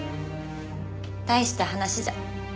大した話じゃ。